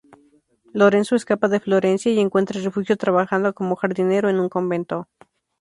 Lorenzo escapa de Florencia y encuentra refugio trabajando como jardinero en un convento.